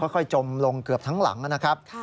จมลงเกือบทั้งหลังนะครับ